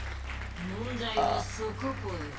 問題はそこぽよ。